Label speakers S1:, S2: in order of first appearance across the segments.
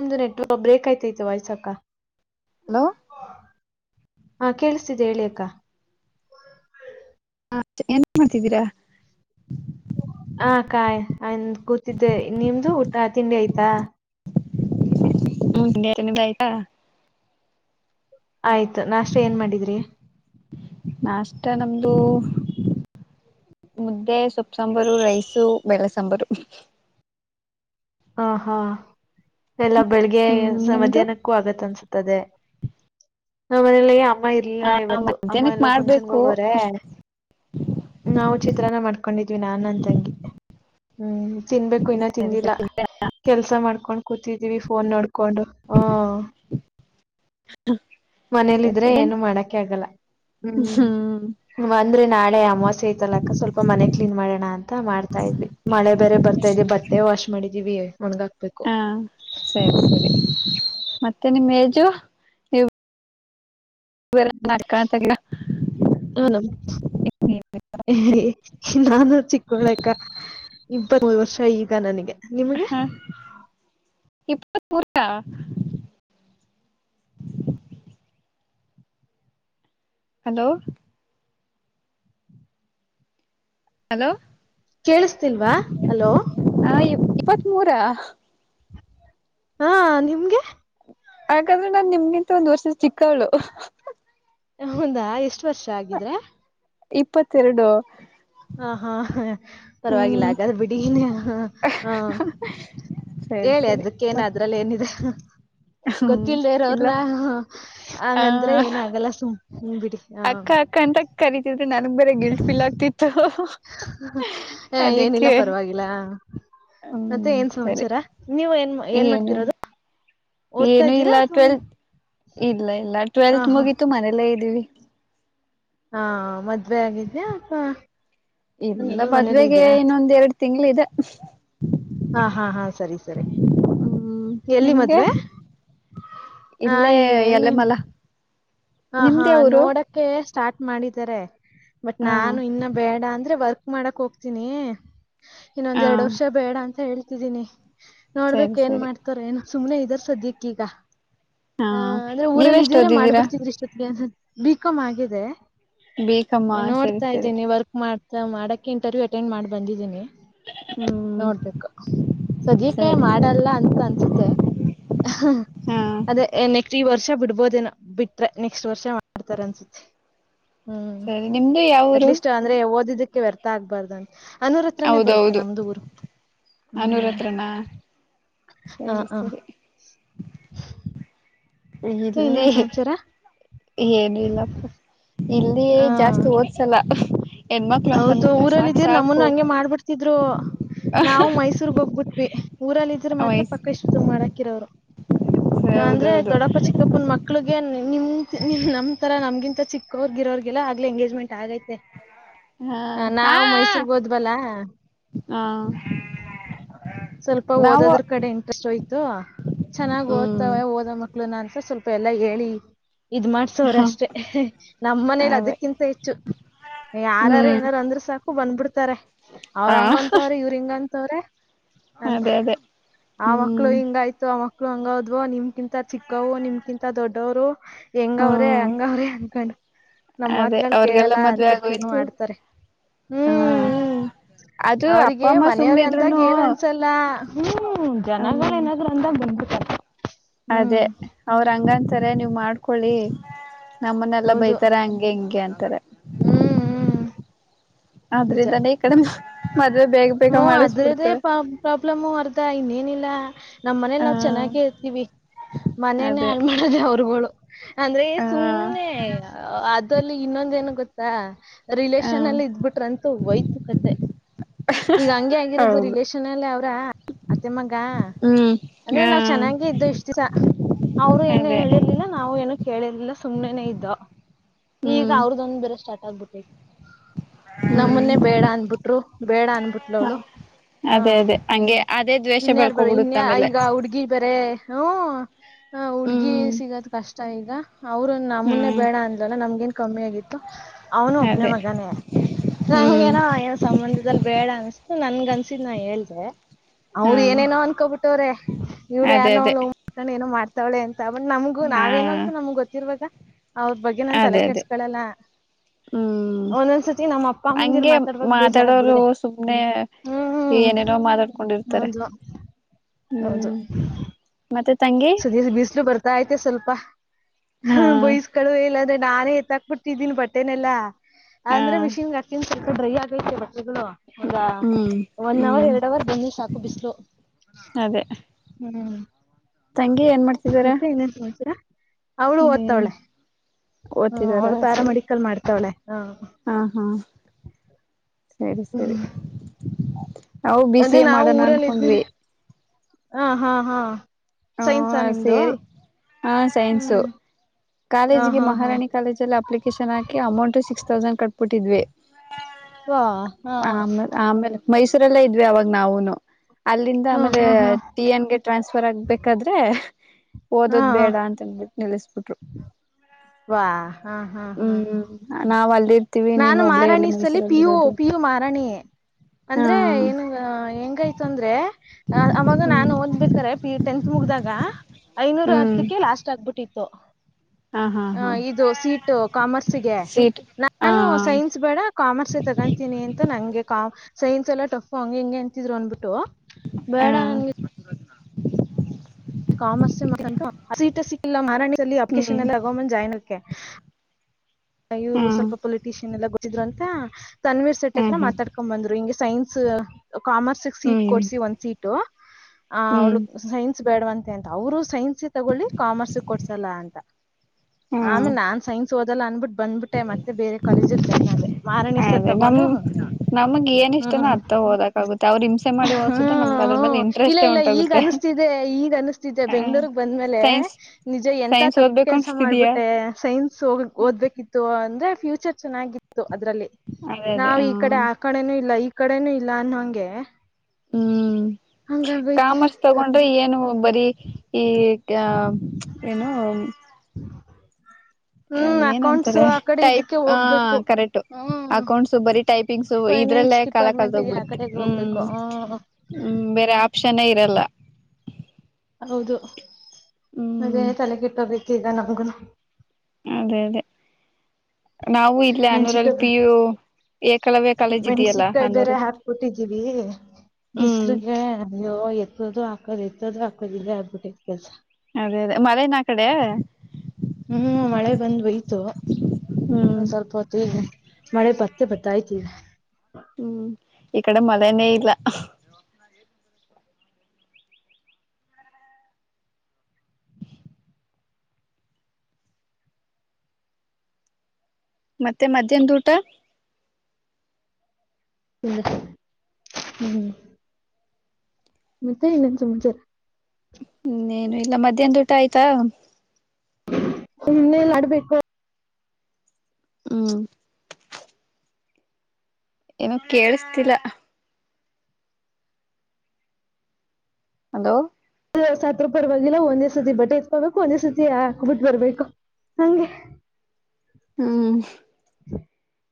S1: ನಮ್ದ network break ಆಯತೈತಿ ವಾಯಕ್ಕ
S2: ಹಲೋ
S1: [unintelligible] ಹಾ ಕೇಳಿಸ್ತಿದೆ ಹೇಳಿ ಅಕ್ಕ
S2: ಏನ್ ಮಾಡ್ತಿದ್ದೀರಾ
S1: ಹ ಕಾಯ್ ಆ ಕೂತಿದ್ದೆ ನಿಮ್ದು ಊಟ ತಿಂಡಿ ಆಯ್ತಾ
S2: ನಿಮ್ಮದು ಆಯ್ತಾ
S1: ಆಯ್ತು ನಾಷ್ಟು ಏನ್ ಮಾಡಿದ್ರಿ
S2: ನಾಷ್ಟ ನಮ್ದು ಮುದ್ದೆ ಸೊಪ್ಪ ಸಾಂಬಾರು ರೈಸು ಬೇಳೆ ಸಾಂಬಾರು
S1: ಹಾ ಹಾ ಎಲ್ಲ ಬೆಳಿಗ್ಗೆ
S2: ಹ್ಮ್ ನಿಮ್ದು
S1: ಮಧ್ಯಾಹ್ನಕ್ಕೂ ಆಗತ್ತ ಅನ್ಸುತ್ತೆ ನನ [unintelligible] ಅಮ್ಮ ಇರ್ಲ್ಲಾ ಇವತ್ತು ಅಮ್ಮ
S2: ಮಧ್ಯಾಹ್ನಕ್
S1: ಎಲ್ಲ ಫಂಕ್ಷನ್ಗೆ
S2: ಮಾಡ್ಬೇಕು
S1: ಹೋಗೋ್ರೆ ನಾವು ಚಿತ್ರನ ಮಾಡ್ಕೊಂಡಿದ್ವಿ ನಾನ ನನ್ನ ತಂಗಿ ಹ್ಮ್ ತಿನ್ಬೇಕು ಇನ್ನ ತಿಂದಿಲ್ಲ ಕೆಲ್ಸ ಮಾಡ್ಕೊಂಡ್ ಕೂತಿದೀವಿ ಫೋನ್ ನೋಡ್ಕೊಂಡ ೊಂಡು ಹ ಮನೇಲಿ ಇದ್ರೆ ಏನು ಮಾಡಕೆ ಆಗಲ್ಲ ಹ್ಮ್ ಅಂದ್ರೆ ನಾಳೆ ಅಮವಾಸ್ಯೆ ಐತಲಾಕ್ಕ ಸ್ವಲ್ಪ ಮನೆ ಕ್ಲೀನ್ ಮಾಡೋಣ ಅಂತ ಮಾಡ್ತಾ ಇದ್ವಿ ಮಳೆ ಬೇರೆ ಬರ್ತಾ ಇದಿ ಬಟ್ಟೆ ವಾಶ್ ಮಾಡಿದ ವಿ ಹು್ಣದ [unintelligible]
S2: ಹಾ ಸರಿ ಸರಿ ಮತ್ತೆ ನಿಮ [unintelligible]
S1: ಮತ್ತೆ ಹನ ನಾನು ಚಿಕ್ಕ ಕ ಇಪ್ಪತ್ ಮೂರು ವರ್ಷ ಈಗ ನನಗೆ ನಿಮಗೆ
S2: ಇಾ ಹಲೋ ಹಲೋ
S1: ಕೇಳಿಸ್ತಿಲ್ವಾ ಅಲೋ
S2: ಇಪ್ಪತ್ತ್ಮೂರ
S1: ಹಾ ನಿಮ್ಗೆ
S2: ಹಾಗಾದ್ರೆ ನಾನ್ ನಿಮ್ಗಿಂತ ಒಂದ್ ವರ್ಷದ ಚಿಕ್ಕವಳು
S1: ಹೌದಾ ಎಷ್ಟು ವರ್ಷ ಆಗಿದ್ರೆ
S2: ಇಪ್ಪತ್ತೆರಡು
S1: ಹಾ ಹಾ ಹ ಪರವಾಗಿಲ್ಲ
S2: ಹ್ಮ್
S1: ಆಾದ ಬಿಡನ ಹ
S2: ಸರಿ
S1: ಹೇಳಿ
S2: ಸರಿ
S1: ಅದಕ್ಕೇನ
S2: ಮತ್
S1: ಅದ್ರಲ್ಲಿ ಏನಿದೆ
S2: ಹ್ಮ್
S1: ಗೊತ್ತಿಲ್ದರ
S2: ಇಲ್ಲ
S1: ಅವ್ರನ ಹಂಗಂದ್ರೆ
S2: ಆ
S1: ಏನ ಆಾಗಲ್ಲ ಸು ಹ್ಮ ಬಿ
S2: ಅಕ್ಕ ಅಕ್ಕ ಅಂತ ಕರೀತ ನನ್ಗ್ ಬೇರ ಗಿಲ್ ಫಿಲ್ ಆಗ್ತಿತ್ತು
S1: ಏ ಏನಿಲ್ಲ
S2: ಅದಕ್ಕೆ
S1: ಪರವಾಗಿಲ್ಲ ಮತ್ತೆ
S2: ಹ್ಮ್
S1: ಏನ್
S2: ಸರಿ
S1: ಸಮಾಚಾರ ನೀವು ಏನ್ ಮಾ- ಏನ್
S2: ಏನು
S1: ಮಾಡ್ತಿರೋದು ಓದ್ತಾ
S2: ಏನು
S1: ಇದ್ದೀರಾ
S2: ಇಲ್ಲ
S1: ಅಥವಾ ಏನ್
S2: ಟ್ವೆಲ್ತ್ ಇಲ್ಲ ಇಲ್ಲ
S1: ಆ,
S2: ಟ್ವೆಲ್ತ್
S1: ಹ.
S2: ಮುಗಿತು ಮನೇಲ್ಲ ಇದ್ದೀವಿ
S1: ಹಾ ಮದ್ವೆ ಆಗಿದ್ಯಾ ಅಪ
S2: ಇಂದ ಮದ್ವೆೆಗೆ ಇನ್ನೊಂದ ಎರಡ್ ತಿಂಗಳಿದೆ
S1: ಹಾ ಹಾ ಹಾ ಸರಿ ಸರಿ
S2: ಹ್ಮ್
S1: ಎಲ್ಲಿ
S2: ನಿಮ್ಗೆ
S1: ಮದ್ವೆ
S2: ಇಲ್ಲೇ ಎಲೆಮಲ
S1: ಹ ಹಾ
S2: ನಿಮ್ದೇ ಊರು
S1: ನೋಡಕ್ಕೆ ಸ್ಟಾರ್ಟ್ ಮಾಡಿದ್ದಾರೆ ಬಟ್
S2: ಹಾ
S1: ನಾನು ಇನ್ನ ಬೇಡ ಅಂದ್ರೆ ವರ್ಕ್ ಮಾಡಕ್ ಹೋಗ್ತೀನಿ
S2: ಹಾ
S1: ಇನ್ನೊಂದ ಎರಡ್ ವರ್ಷ ಬೇಡ ಅಂತ ಹೇಳ್ಿ ಿದ್ದೀನಿ
S2: ಸರಿ
S1: ನೋಡ್ಬೇಕಕ್ ಏನ್
S2: ಸರಿ
S1: ಮಾಡ್ತಾರ ಏನು ಸುಮ್ನೆ ಇರ್ ಸದ್ಯಕ್ಕಗ ಹಾ ಅಂದ್ರೆ ಊರಲ್ಲಿ
S2: ನೀವೆಷ್ಟು
S1: ಇದೀ್ರೆ
S2: ಓದಿದ್ದೀರಾ
S1: ಮಾಡ್ಬಿರ್ತಿದ್ರಿ ಬಿಕಾಮ್ ಆಗಿದೆ
S2: ಬೇಕಮ್ಮ ಸರಿ ಸರಿ
S1: ನ ಮಾಡಕ್ಕೆ ಇಂಟರ್ವ್ಯೂ ಅಟೆಂಡ್ ಮಾಡಿ ಬಂದಿದ್ದೀನಿ
S2: ಹ್ಮ್
S1: ನೋಡ್ಬೇಕು ಸದ್ಯಕ್ಕೆ
S2: ಸರಿ ಸರಿ
S1: ಮಾಡಲ್ಲ ಅಂತ ಅನ್ಸುತ್ತೆ
S2: ಹಾ
S1: ಅದೇ ನೆಕ್ಟ್ ಈ ವರ್ಷ ಷ ಬಿಡ್ಬೋದೇನ ಬಿಟ್ಟ ನೆಕ್ಸ್ಟ್ ವರ್ಷ ಮಾಡ್ತಾರ ಅನ್ಸುತ್ತೆ ಹ್ಮ್
S2: ಸರಿ ನಿಮ್ದು ಯಾವೂರು
S1: ಅಟ್ಲೀಸ್ಟ್ ಅಂದ್ರೆ ಓದಿದ್ದಕ್ಕೆ ನೀವ್ ವ್ಯರ್ಥ ಆಗ್ಬಾರ್ದಂತೆ ಅನರತ್ರನೇ ಬರುತ್ತೆ
S2: ಹೌದೌದು
S1: ನಮ್ದು ಊರು
S2: ಅನೂರ್
S1: ಹ್ಮ್
S2: ಹತ್ರನಾ
S1: ಹ
S2: ಸರಿ
S1: ಹ
S2: ಸರಿ ಇಲ್ಲಿ ಏನು ಇಲ್ಲಪ್ಪು ಇಲ್ಲಿ
S1: ಆ
S2: ಜಾಸ್ತಿ ಓದ್ಸಲ್ಲ ಹೆಣ್ಮಕ್ಳು ಅಂತ
S1: ಹೌದು
S2: ಅಂದಬಿಟ್ರೆ
S1: ಊರಲ್ಲ
S2: ಸಾಕ್
S1: ಇದೀರಿ
S2: ಸಾಕು
S1: ನಮ್ಮನ್ನು ಹಂಗೆ ಮಾಡ್ಬಿಡ್ತಿದ್ರು ನಾವವು ಮೈಸೂರ್ಗ್ ಹೋಗಬಿಟ್ವಿ ಊರಲ್ಲ ಇದ್ರು ಮಾತ್ರ
S2: ವಯಸ್
S1: ಪಕ್ಕಷ್ಟರು ಮಾಡಾಕಿರೋರು ಅಂದ್ರೆ
S2: ಹೌದೌದು
S1: ದೊಡ್ಡಪ್ಪ ಚಿಕ್ಕಪ್ಪನ ಮಕ್ಳಿಗೆ ನಿಮ್ ನಮ್ ತರ ನಮ್ಗಿಂತ ಚಿಕ್ಕವರ್ಗಿರೋರ್ಗೆಲ್ಲ ಆಗ್ಲೇ ಎಂಗೇಜ್ಮೆಂಟ್ ಆಗೈತೆ
S2: ಹಾ ಹಾ
S1: ನಾವವು ಮೈಸೂರ್ಗ್ ಹೋದ್ವಲ್ಲಾ
S2: ಹ
S1: ಸ್ವಲ್ಪ
S2: ನಾವು
S1: ಓದದ್ರ ಕಡೆ ಇಂಟ್ರೆಸ್ಟ್ ಹೋಯ್ತು ಅವತ್ತು ಚೆನ್ನಾಗ್
S2: ಹ್ಮ್
S1: ಓದ್ತವೆ ಓದ ಮಕ್ಕ ಹನಾ ಅಂತ ಸ್ವಲ್ಪ ಎಲ್ಲ ಹೇಳಿ ಇದ್ ಮಾಡ್ಸವ್ರ ಅಷ್ಟೇ ನಮ್ಮ್ ಮನೇಲಿ
S2: ಅದೇ
S1: ಅದಕ್ಕಿಂತ ಹೆಚ್ಚು ಯಾರ
S2: ಹ್ಮ್
S1: ಯನ ಅಂದ್ರ ಸಾಕು ಬನ್ಬಿಡ್ ಅವ್ರ
S2: ಹ
S1: ಹಂಗಂತವ್ರ ಇವ್ರ ಹಂಗಂತ ತವ್ರೆ ಅಂತ
S2: ಅದೇ ಅದೇ
S1: ಆ ಮಕ್ಳು
S2: ಹ್ಮ್
S1: ಹಿಂಗಾಯ್ತು ಆ ಮಕ್ ಚಕ್ಕ ಹಂಗದ್ವು ನಿಮ್ ಕಿಂತ ಚಿಕ್ಕವು ನಿಮ್ಕ್ಕಿಂತ ದೊಡ್ಡವ್ರು ಹೆಂಗ ಅವ್ರೆ
S2: ಹ್ಮ್
S1: ಹಂಗವ್ರಿ ಅನ್ಕೊಂಡು ನಮ್
S2: ಅದೇ
S1: ಮಾತ್ಗಳು
S2: ಅವ್ರಿಗೆಲ್ಲ
S1: ಕೇಳಲ್ಲ
S2: ಮದ್ವೆ
S1: ಅಂತ ಶುರು
S2: ಆಗೋಯ್ತು
S1: ಮಾಡ್ತ ಹ್ಮ್
S2: ಹ
S1: ಹ್ಮ್
S2: ಅದು ಅಪ್ಪ
S1: ಅವ್ರಿಗೆ
S2: ಅಮ್ಮ
S1: ಮನೆಯವ್ರ
S2: ಸುಮ್ನೆ
S1: ಅಂದಾಗ
S2: ಇದ್ರುನು
S1: ಏನು ಅನ್ಸಲ್ಲ ಹ್ಮ ಹ್ಮ್ ಜನಗಳ
S2: ಹ್ಮ್
S1: ಏನಾದ್ರು ಅಂದ ಬಂದಬಿಟ್ಟ ಹ್ಮ್
S2: ಸರಿ ನೀವು ಮಾಡ್ಕೊಳ್ಳಿ ನಮ್ಮನೆೆಲ್ಲ
S1: ಹೌದು
S2: ಬೈತಾರೆ ಹಂಗೆ ಹಿಂಗೆ ಅಂತಾರೆ
S1: ಹ್ಮ್ ಹ್ಮ್
S2: ಆದ್ರಿಂದಾನೇ ಕಡಿಮೆ
S1: ಹ್ಮ ಅದ್ರದೇ ಪ್ರಾಬ್ಲಮು ಅರ್ದ ಇನ್ನೇನಿಲ್ಲಾ ಹ ನಮ್ಮ್ ಮನೇಲಿ ನಾವ್ ಚೆನ್ನಾಗ
S2: ಹ
S1: ಇರ್ತೀವಿ ಮನೇನೆೇ
S2: ಅದೇ
S1: ಹಾಳ್ ಮಾಡದ ಅವರುಗಳು ಅಂದ್ರೆ
S2: ಹ
S1: ಸುಮ್ನೆ ಮಲ್ಲಿ ಇನ್ನೊಂದ ಏನ ಗೊತ್ತಾ ರಿಲೇಷನ್
S2: ಹ
S1: ಅಲ್ಲಿ ಇದ್ಬಿಟ್ರಂತೂ ವೈ್ತು ಕತೆ ಈಗ ಹಂಗೆ ಆಗಿರೋದು
S2: ಹೌದು
S1: ರಿಲೇಷನ್ ಅಲ್ಲಿ ಅವ್ರ ಅತ್ತೆ ಮಗ
S2: ಹ್ಮ್
S1: ಅಂದ್ರೆ
S2: ಹಾ
S1: ನಾವ್ ಚೆನ್ನಾಗೇ ಇದ್ದ ಇಷ್ಟ ದ ಅವರು ಏನು
S2: ಅದೇ
S1: ಹೇಳಿರ್ಲಿಲ್ಲ ನಾವವು ಏನು ಕೇಳಿರ್ಲಿಲ್ಲ ಸುಮ್ನೆನೆೇ ಇದ್ದೋ ಈಗ
S2: ಹ್ಮ್
S1: ಅವ್ರದೊಂದು ಬೇರೆ ಸ್ಟಾರ ಅಗುತ್ತ ನಮ್ಮನ್ನೆ ಬೇಡ ಅನ್ಬಿಟ್ರು ಬೇಡ ಅನ್ಬಿಟ್ರು
S2: ಹ ಅದೇ ಅದೇ ಹಗೆ
S1: ಇನ್ಯಾರ್ ಬರ ಇನ್ಯ ಈಗ ಹುಡ್ಗಿ ಬೇರೆ ಹ್ಮ ಹ ಹುಡ್ಗಿ
S2: ಹ್ಮ್
S1: ಸಿಗೋದ ಕಷ್ಟ ಈಗ ಅವ್ರು ನಮ್ಮನ್ನೇ
S2: ಹ್ಮ್
S1: ಬೇಡ ಅಂದ್ಲಲ್ಲ ನಮ್ಗೇನ್ ಕಮ್ಮಿ ಆಗಿತ್ತು ಅವನು ಒಬ್ನೇ
S2: ಅದೇ
S1: ಮಗನೇ
S2: ಹ್ಮ್
S1: ನಂಗೇನೋ ಏನ ಸಂಬಂಧದಲ್ಲಿ ಬೇಡ ಅನ್ಸತು ನನ್ಗ ಅನ್ಸಿದ್ ನಾ ಹೇಳ್ದೆ
S2: ಹಾ
S1: ಅವರು ಏನೇನೋ ಅನ್ಕೋಬ ಬಿಟ್ಟವ್ರೆ ಇವ್ಳ
S2: ಅದೇ ಅದೇ
S1: ಯಾರನೋ ಏನು ಮಾಡ್ತಾಳೆಂತ ಬಟ್ ನಮ್ು
S2: ಹಾ
S1: ನಾವೇನು ಅಂತ ನಮ್ಗ್ ಗೊತ್ತಿರ್ರುವಾಗ ಅವದ ಬಗ್ಗೆ ನಾನ್ ತಲೆ
S2: ಅದೇ ಅದೇ
S1: ಕೆಡ್ಸ್ಕೊಳಲ್ಲ
S2: ಹ್ಮ್
S1: ಒಂದೊಂದ್ಸತಿ ನಮ್ಮ ಅಪ್ಪ ಮುಂದಿರ್
S2: ಹಂಗೆ
S1: ಮಾತಾಡ್ವಾಗ
S2: ಮಾತಾಡೋರು
S1: ಬೇಜಾರಾಗಬಿಡ್ದ
S2: ಸುಮ್ನೆ
S1: ಹ್ಮ್
S2: ಏನೇನೋ
S1: ಹ್ಮ್
S2: ಮಾತಾಡ್ಕೊಂಡಿರ್ತಾರೆ
S1: ಹೌದು ಹೌದು
S2: ಹ್ಮ್ ಮತ್ತೆ ತಂಗಿ
S1: ಸದ ಬಿಸಲು ಬರ್ತಾ ಐತೆ ಸ್ವಲ್ಪ
S2: ಹಾ
S1: ಬಯಸ್ಗಳು ಎಲ್ಲಾದ ನಾನೇ ಎತ್ತಾಕ್ಬಿಟ್ಟಿದ್ದೀನ್ ಬಟ್ಟೆನೆಲ್ಲಾ
S2: ಹಾ
S1: ಅಂದ್ರೆ ಮಿಷಿನ್ ಹಾಕಿನ್ ಡ್ರೈಯಾಗ ಒ
S2: ಹ್ಮ್
S1: ಒನ್ ಅವರ್
S2: ಹ್ಮ್
S1: ಎರಡು ಅವರ್ ಬನ್ನಿ ಸಾಕು ಬಿಸಲು
S2: ಅದೇ
S1: ಹ್ಮ್
S2: ತಂಗಿ ಏನ್ ಮಾಡ್ತಿದಾರ
S1: ಮತ್ತೆ ಇನ್ನೇನ್ ಸಮಾಚಾರ ಅವಳು
S2: ಏನ್
S1: ಓದ್ತವಳೆ ಹ್ಮ
S2: ಓದ್ತಿದಾರಾ
S1: ಅವಳು
S2: ಸರಿ
S1: ಪ್ಯಾರಾಮೆಡಿಕಲ್ ಮಾಡ್ತಾವಳೆ ಹಾ
S2: ಹಾ ಹಾ ಸರಿ ಸರಿ
S1: ಹ್ಮ್
S2: ನಾವು ಬಿಸ
S1: ಅದೇ
S2: ಎ
S1: ನಾವು
S2: ಮಾಡೋಣ
S1: ಊರಲ್ಲಿ ಇದ್ದೀವಿ
S2: ಅನ್ಕೊಂಡ್ವಿ
S1: ಹಾ ಹಾ ಹಾ
S2: ಹಾ
S1: ಸೈನ್ಸಾ ನಿಮ್ದು
S2: ಸೇರಿ ಹಾ ಸೈನ್ಸ್
S1: ಹ್ಮ್ ಹಾ
S2: ಕಾಲೇಜಿಗೆ
S1: ಹಾ ಹಾ
S2: ಮಹಾರಾಣಿ ಕಾಲೇಜಲ್ಲಿ ಅಪ್ಲಿಕೇಶನ್ ಹಾಕಿ ಅಮೌಂಟ್ ಸಿಕ್ಸ್ತೌಜನ್ ಕಟ್ಬಟ್ಟ್. ಕಟ್ಟಿದ್ವೀ.
S1: ವಾ ಹಾ ಹಾ
S2: ಆಮೇಲೆ ಆಮೇಲೆ. ಮೈಸೂರಲ್ಲೇ ಇದ್ವಿ ಅವಾಗ ನಾವುೂನು. ಅಲ್ಲಿಂದ ಆಮೇಲೆ
S1: ಹಾ ಹಾ
S2: ಟ ಎನ್ ಗೆ ಟ್ರಾನ್ಸ್ಫ. ರ ಆಾಗಬೇಕಾದ್ರೆ. ಓದದ್
S1: ಹಾ
S2: ಬೇಡ ಅಂತ ನಿಲ್ಸ್ಬ ಓಕು.
S1: ವಾ ಹ್ಮ ಹಾ ಹಾ್.
S2: ನಾವ್ ಅಲ್ಲಿ ಇರ್ತೀವಿ ನೀನ್
S1: ನಾನು
S2: ಒಬ್ಳೇ ಎಲ್ಲಿ
S1: ಮಾರಾಣಿಸಲ್ಲಿ ಪ
S2: ಮೈಸೂರಲ್ಲಿ
S1: ಯು
S2: ಇರೋದು
S1: ಪ ಯು ಮ.
S2: ಹಾ
S1: ಅಂದ್ರೆ. ಂದ್ರೆ ಅವಾಗ
S2: ಹ್ಮ
S1: ನಾನು ಓದ್ಬೇಕಾರೆ ಪಿ ಟೆಂತ್ ಮುಗ್ದಾಗ. ಐನೂರು
S2: ಹ್ಮ್
S1: ಹತ್ತಕ್ಕೆ ಲಾಸ್ಟ್ ಆಗ್ಬಿಟ್ಟಿತ್ತು.
S2: ಹಾ ಹಾ
S1: ಸ. ಹ
S2: ಹಾ
S1: ಇದು ಸೀಟು ಕಾಮರ್ಸ್ಗೆ
S2: ಸೀಟ್
S1: ನ.
S2: ಹಾ
S1: ನಾನು ಸೈನ್ಸ್ ಬೇಡ ಕಾಮರ್ಸ್ ತಗೊಂತೀನಿ ಅಂತ ನಂಗೆ ಕಾಮ. ಸೈನ್ಸ್ ಎಲ್ಲ ಟಫ್ ಹಂಗ ಹೆಂಗೆ ಅಂತಿದ್ರು ಅಂದ್ಬಿಟ್ಟು. ಬೇಡ ನನ್ಗೆ.
S2: ಹ್ಮ್ಮ್.
S1: ಕಾಮೆ ಸೀಟ ಸಿಕ್ಕಿಲ್ಲ ಮರಣ. ಚ
S2: ಹ್ಮ್
S1: ಅಪ್ಲಿಕೇಶನ್ ಎಲ್ಲ ಆಗೋನ್ ಜಾಯ್ನ್ಕ್ಕೆ. ಇವರು
S2: ಹ್ಮ್
S1: ಸ್ವಲ್ಪ ಪೊಲಿಟಿಷಿಯನ್ ಎಲ್ಲ ಗ. ಿದ್ರು ಅಂತ. ತನ್ೀರ್
S2: ಹ್ಮ್
S1: ಸಟ್ಟತ್ರ ಮಾತಾಡ್ಕೊಂಡ ಬಂದ್ರು. ಸೈನ್ಸ್. ಕಾಮರ್ಸ್ಕ್ ಸೀಟ್
S2: ಹ್ಮ್ ಹ್ಮ್
S1: ಕೊಡ್ಸಿ ಒಂದ್ ಸೀಟ್. ತ. ಆ
S2: ಹ್ಮ್
S1: ಅವ್ಳಗ್ ಸೈನ್ಸ್ ಬೇಡವಂತೆ ಅಂತ ಅವರು ಸೈನ್ಸ್ ತಗೊಳ್ಳಿ ಕಾಮರ್ಸ್ ಕೊಡ್ಸಲ್ಲ ಅಂತ.
S2: ಹ್ಮ್
S1: ಆಮೇಲೆ ನಾನ್ ಸೈನ್ಸ್. ಸೋದಲ್ಲ ಅನ್ಬಟ್ಟು. ಬಂದ್ಬಿಟ್ಟೆ ಮತ್ತೆ ಬೇರೆ. ಕಲಜಿದ್ದೆ ಅನದೇ. ಮಾರಣಿಸರ್
S2: ಅದೇ ನಮ್
S1: ತಗೊಂಡು
S2: ನಮಗ್ ಏನ್ ಇಷ್ಟನೋ
S1: ಹ್ಮ್
S2: ಅತ್ತ ಓದಕ್ ಆಗುತ್ತೆ ಅವ್ರು ಹಿಂಸೆ ಮಾಡಿ ಓದಸುದ್ರೆ ನಮ್ಗ್ ಅದ್ರ ಮೇಲೆ
S1: ಹ್ಮ್ ಇಲ್ಲ
S2: ಇಂಟ್ರೆಸ್ಟೇ
S1: ಇಲ್ಲ ಈಗ
S2: ಉಂಟಾಗುತ್ತೆ
S1: ಅನ್ಿಸ್ತಿದ್ದೆ ಈಗ ಅನಿಸ್ತಿದ್ದೆ
S2: ಹ್ಮ
S1: ಬೆಂಗ್ಳೂರ್ಗ್ ಬಂದ್ಮೇಲೆ
S2: ಸೈನ್ಸ್
S1: ನಿಜ ಎಂತ
S2: ಸೈನ್ಸ್
S1: ತಪ್ಪ
S2: ಓದ್ಬೇಕು
S1: ಕೆಲ್ಸ
S2: ಅನ್ಸ್ತಿದಯಾ
S1: ಮಾಡ್ಬಿಟ್ಟೆ ಸೈನ್ಸ್ ಹ ಓದ್ಬೇಕಿತ್ತು. ಸೊ ಅಂದ್ರೆ ಫ್ಯೂಚರ್ ಚೆನ್ನಾಗಿತ್ತು ಅದ್ರಲ್ಲಿ
S2: ಅದೇ ಅದೇ
S1: ನಾವವು
S2: ಹ
S1: ಈ ಕಡೆ ಆ ಕಡೆನೂ ಇಲ್ಲ ಈ ಕಡೆನೂ ಇ ಇಲ್ಲಾನ ಹಂಗೆ
S2: ಹ್ಮ ಕಾಮರ್ಸ್
S1: ಕತೆ
S2: ತಗೊಂಡ್ರೆ ಏನು ಬರಿ ಈ ಏನು ಹ್ಮ
S1: ಹ
S2: ಏನಂತಾರೆ ಟೈಪ್ ಹ
S1: ಹೋಗ್ಬೇಕು
S2: ಕರೆಕ್ಟ್
S1: ಹ್ಮ್
S2: ಅಕೌಂಟ್ಸು ಬರಿ ಟೈಪಿಂಗ್
S1: ಫೈನಾನ್ಸ್
S2: ಇದ್ರಲ್ಲೇ ಕಾಲ
S1: ಡಿಪಾರ್ಟ್ಮೆಂಟ್ಗೆ ಆ
S2: ಕಾಲದೋಗ್ಬಿಡುತ್ತೆ
S1: ಕಡೆಗೆ ಹೋಗ್ಬೇಕು ಹ್ಮ್
S2: ಹ್ಮ್ ಬೇರೆ ಆಪ್ಷನ್ ಇ ಕಲ
S1: ಹೌದು ಮದೇ ತಲೆಕಿಟ್ಟಬೇಕಿು ಕಗ ನ ಹಗನ
S2: ಅದೇ ಅದೇ ನಾವು ಇಲ್ಲೇ ಅನೂರಲ್ಲಿ
S1: ಮೆಣ್ಸಿಿಕಾಯಿ
S2: ಪಿ ಯು ಏಕಲವ್ಯ ಕಾಲೇಜ್ ಇದೆಯಲ್ಲ
S1: ಮೆಣ್ಸಿಿಕಾಯಿ ಬೇರೆ
S2: ಅನ್ನೂರು
S1: ಹಾಕ್ಬೊಟ್ಟಿದ್ದೀವಿ
S2: ಹ್ಮ್
S1: ಬಿಸಿ್ಲುಿಗೆ ಅದಯ್ಯೋ ಎತ್ತೋದು ಹಾಕೋದ ಇತ್ತು ಾಗು
S2: ಅದೇ ಅದೇ ಮಳೆನಾ ಕಡೆ
S1: ಹ್ಮ್ ಮಳೆ ಬಂದ್ ಬಯ್ತು
S2: ಹ್ಮ್
S1: ಒ್ ಸ್ವಲ್ಪ ಹೊತ್ತ ಮಳೆ ಪತ್ತೆ ಬತ್ತಯ್ತಿೀ
S2: ಹ್ಮ್ ಈ ಕಡೆ ಮಳೆನೇ ಇಲ್ಲ ಮತ್ತೆ ಮಧ್ಯಾಹ್ ಊಟ
S1: ಹ್ಮ್ ಮತ್ತೆ ಏನು ಸಮಾಚಾರ
S2: ಹ್ಮ್ೇನು ಇಲ್ಲ ಮಧ್ಯಾಹ್ನ ಊಟ ಆಯ್ತಾ
S1: ಮನ್ನೆಲ್ಲ ಆಡ್ಬೇಕು
S2: ಹ್ಮ್ ಏನೋ ಕೇೇಳಸ್ತಿಲ್ಲ ಅಲೋ
S1: ಸಾತ್ರುಪರ್ವಾಗಿಲ್ಲ ಒಂದೇ ಸರ್ತಿ ಬಟ್ಟೆ ಇಸ್ಕೋಬೇಕು ಒಂದೇ್ ಸರ್ತಿ ಹಾಕ್ಬಿಟ್ಟ ಬರ್ಬೇಕು ಹಂಗೆ
S2: ಹ್ಮ್
S1: ಹ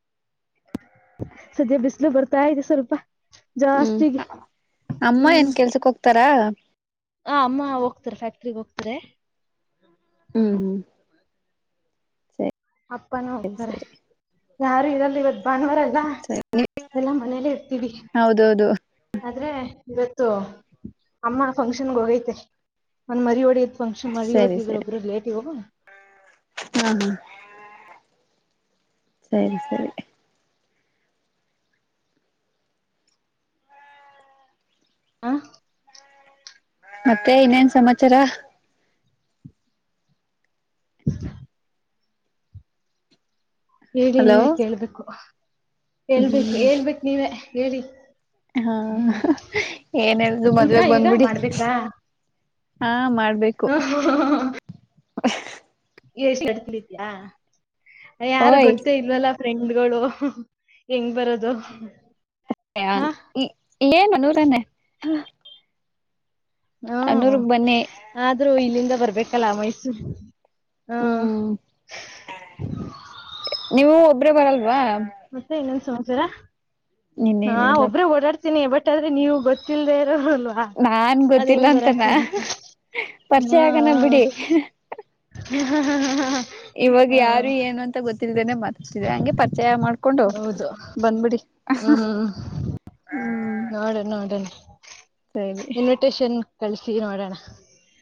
S1: ಸದ್ಯ ಬಿಸ್ಲು ಬರ್ತಾ ಇತೆ ಸ್ವಲ್ಪ
S2: ಹ್ಮ್
S1: ಜಾಸ್ತಿಗೆ
S2: ಅಮ್ಮ ಏನ್ ಕೆಲ್ಸಕ್ ಹೋಗ್ತಾರಾ [unintelligible]
S1: ಹ ಅಮ್ಮ ಹೋಗ್ತರ ಫ್ಯಾಕ್ಟ್ರಗ್ ಹೋಗ್ತಾರೆ
S2: ಹ್ಮ್ ಹ್ಮ್ ಸರಿ
S1: ಅಪ್ಪಾನು ಅಂತಾರೆ
S2: ಸರಿ
S1: ಯಾರು ಇರಲ್ಲ ಇವತ್ತು ಭಾನುವಾರ ಲ್ಲ
S2: ಸರಿ
S1: ಎಲ್ಲಾ ಮನೇಲ್ಲೇ ಇರ್ತೀವಿ
S2: ಹೌದೌದು
S1: ಆದ್ರೆ ಇವತ್ ತು ಅಮ್ಮ ಫಂಕ್ಷನ್ಗೆ ಹೋಗೈತೆ ಒಂದ್ ಮರಿ ಹೊಡಿ ಫಂಕ್ಷನ್ ಮರಿ
S2: ಸರಿ
S1: ಹೊಡ್ದೀದ್ರೂ
S2: ಸರಿ
S1: ಒಬ್ರು ರಿಲೇಟಿವ್
S2: ಹಾ ಹ ಸರಿ ಸರಿ
S1: ಆ
S2: ಮತ್ತೆ ಇನ್ನೇನ್ ಸಮಾಚಾರ
S1: ಹೇಳಿ
S2: ಹಲೋ
S1: ನೀವೇ ಕೇಳ್ಬೇಕು ಹೇಳ್ಬೇಕು ಹೇಳ್ಬೇಕು ನೀವೆ ಹೇಳಿ
S2: ಹಾ ಏನೆಳೋದು
S1: ಊಟ
S2: ಮದ್ವೇಗ್
S1: ಈಗ
S2: ಬಂದ್ಬಿಡಿ
S1: ಮಾಡ್ಬೇಕಾ
S2: ಹಾ ಮಾಡ್ಬೇಕು [inaudible]
S1: ಎಷ್ಟು ಅಡ್ತಲಿದಯಾ ಯಾರು
S2: ಓಯ್
S1: ಗೊತ್ತೇ ಇಲ್ವಲ್ಲಾ ಫ್ರೆಂಡ್ ಗಳು ಹೆಂಗ್ ಬರೋದು
S2: ಅ
S1: ಹ
S2: ಏನು ನೂರನ್ನೆ
S1: ಹ್ಮ
S2: ಬನ್ನಿ
S1: ಆದ್ರೂ ಇಲ್ಲಿಂದ ಬರ್ಬೇಕು ಕಲಾ ಮೈಸೂರು ಹಾ
S2: ಹ್ಮ್ ಒಬ್ರೆ ಬರಲ್ವಾ
S1: ಮತ್ತೆ ಇನ್ನೊಂದು ಸಮಾಚಾರ
S2: ಇನ್ನೇನು
S1: ಹಾ
S2: ಇಲ್ಲ
S1: ಒಬ್ಬ್ರೇ ಓಡಾಡ್ತ ತ್ತಿನಿ ಬಟ್ ಆದ್ರೆ ನೀವು ಗೊತ್ತಿಲ್ದೇ ಇರೋರಲ್ವಾ
S2: ನಾನ್
S1: ಅದ್
S2: ಗೊತ್ತಿಲ್ಲ
S1: ಹೆಂಗ್ ಬರಕ್
S2: ಅಂತನ
S1: ಆಗತ್ತೆ
S2: ಪರಿಚಯ
S1: ಹಾ
S2: ಆಗನ ಬಿಡಿ ಇವಾಗ
S1: ಹಾ
S2: ಯಾರು ಏನು ಅಂತ ಗೊತ್ತ ಇಲ್ದನೆ ಮಾತಾಡ್ಸ್ತಿದಿರ ಹಂಗೆ ಪ ಚಯ ಮಾಡ್ಕೊಂಡು
S1: ಹೌದು
S2: ಬಂದ್ಬಿಡಿ ಹ್ಮ್
S1: ಆಡನ್ ಆಡನ
S2: ಸರಿ
S1: ಇನ್ವಿಟೇಶನ್ ಕಳಸಿ ನೋಡೋಣ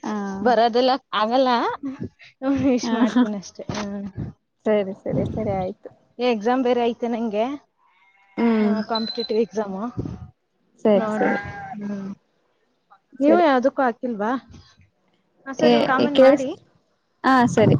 S2: ಹಾ
S1: ಬರದೆಲ್ಲ ಆಗಲ್ಲ ಹ್ಮ ವಿಶ್
S2: ಹ
S1: ಮಾಡ್ತೀನ ಅಷ್ಟೇ ಹ
S2: ಸರಿ ಸರಿ ಸರಿ ಆಯ್ತು
S1: ಎಕ್ಸಾಮ್ ಬೇರೆ ಅಯತ್ ನೆಂಗೆ ಹಾ
S2: ಹ್ಮ್
S1: ಕಾಂಪಿಟೇಟಿವ್ ಎಕ್ಸಾಮಾ
S2: ಸರಿ
S1: ನೋಡಣ
S2: ಸರಿ
S1: ಹ್ಮ ನೀವು ಯಾವ್ದಕ್ಕೂ ಆಕಿ ಇಲ್ವಾ
S2: ಏ ಕೇಳ ಹಾ ಸರಿ